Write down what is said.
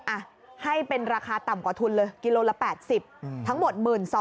อ่ะให้เป็นราคาต่ำกว่าทุนเลยกิโลละ๘๐ทั้งหมด๑๒๐๐